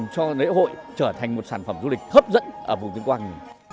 đồng thời làm cho lễ hội trở thành một sản phẩm du lịch hấp dẫn ở vùng tuyên quang